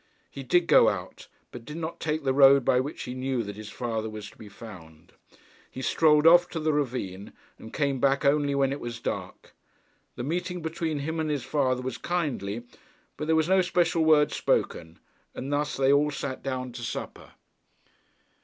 He did go out, but did not take the road by which he knew that his father was to be found. He strolled off to the ravine, and came back only when it was dark. The meeting between him and his father was kindly; but there was no special word spoken, and thus they all sat down to supper.